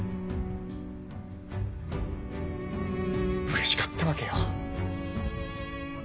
・うれしかったわけよ。